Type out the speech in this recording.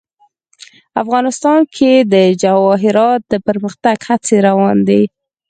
افغانستان کې د جواهرات د پرمختګ هڅې روانې دي.